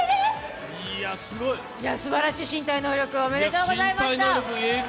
すばらしい身体能力、おめでとうございました。